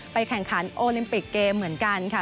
แข่งขันโอลิมปิกเกมเหมือนกันค่ะ